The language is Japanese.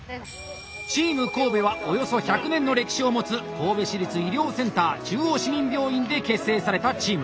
チーム神戸はおよそ１００年の歴史を持つ神戸市立医療センター中央市民病院で結成されたチーム。